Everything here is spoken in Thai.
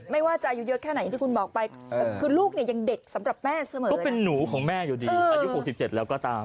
ไม่ว่าจะอายุเยอะแค่ไหนอย่างที่คุณบอกไปคือลูกเนี่ยยังเด็กสำหรับแม่เสมอก็เป็นหนูของแม่อยู่ดีอายุ๖๗แล้วก็ตาม